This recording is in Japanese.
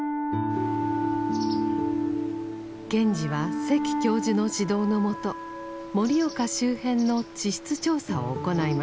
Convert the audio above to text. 賢治は関教授の指導のもと盛岡周辺の地質調査を行いました。